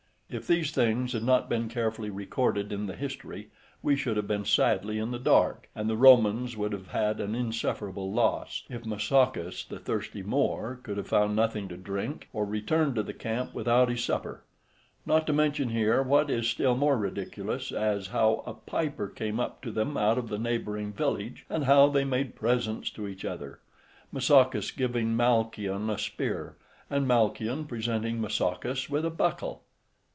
If these things had not been carefully recorded in the history we should have been sadly in the dark, and the Romans would have had an insufferable loss, if Mausacas, the thirsty Moor, could have found nothing to drink, or returned to the camp without his supper; not to mention here, what is still more ridiculous, as how "a piper came up to them out of the neighbouring village, and how they made presents to each other, Mausacas giving Malchion a spear, and Malchion presenting Mausacas with a buckle."